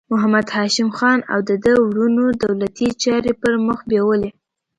محمد هاشم خان او د ده وروڼو دولتي چارې پر مخ بیولې.